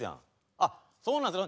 あっそうなんですの。